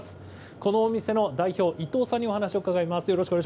このお店の代表、伊東さんにお話を伺います。